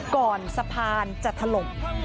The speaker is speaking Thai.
ก่อนสะพานจะถล่ม